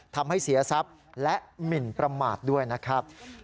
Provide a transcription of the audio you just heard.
ทำให้เสียทรัพย์และหมินประมาทด้วยนะครับ